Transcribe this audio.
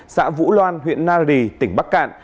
xã vũ loan huyện nari tỉnh bắc cạn